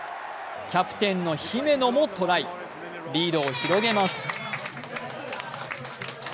キャプテンの姫野もトライ、リードを広げます。